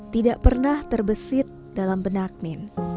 tidak pernah terbesit dalam benak min